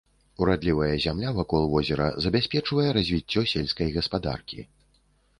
Урадлівая зямля вакол возера забяспечвае развіццё сельскай гаспадаркі.